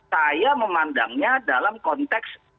saya memandangnya dalam konteks